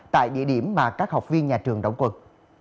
tại địa điểm mà các học viên nhà trường đóng quân